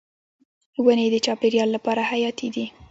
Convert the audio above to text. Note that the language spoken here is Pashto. ونې د چاپیریال لپاره حیاتي دي.